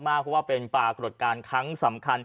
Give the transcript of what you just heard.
เพราะว่าเป็นปรากฏการณ์ครั้งสำคัญ